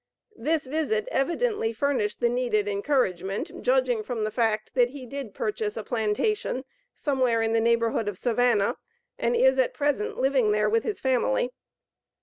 This visit evidently furnished the needed encouragement, judging from the fact that he did purchase a plantation somewhere in the neighborhood of Savannah, and is at present living there with his family.